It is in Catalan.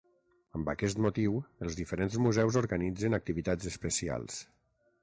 Amb aquest motiu, els diferents museus organitzen activitats especials.